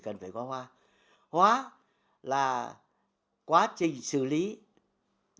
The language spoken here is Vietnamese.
kết hợp hai hoa giữa hoa và lá để tạo ra những sản phẩm có tính nghệ thuật cao